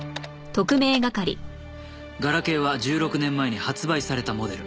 ガラケーは１６年前に発売されたモデル。